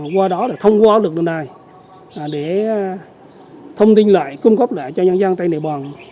qua đó là thông qua lực lượng này để thông tin lại cung cấp lại cho nhân dân tây đại bàn